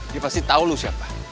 dia pasti tau lu siapa